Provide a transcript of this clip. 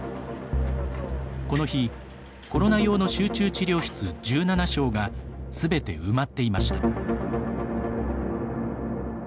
この日、コロナ用の集中治療室１７床がすべて埋まっていました。